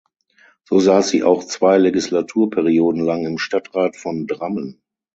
So saß sie auch zwei Legislaturperioden lang im Stadtrat von Drammen.